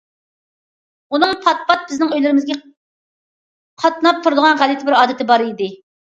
ئۇنىڭ پات- پات بىزنىڭ ئۆيلىرىمىزگە قاتناپ تۇرىدىغان غەلىتە بىر ئادىتى بار ئىدى.